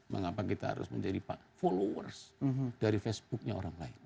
mengapa kita harus menjadi followers dari facebooknya orang lain